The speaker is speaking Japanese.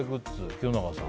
清永さん